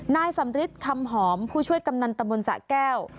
นายสำริทคำหอมผู้ช่วยกำนันตะมนต์สะแก้ว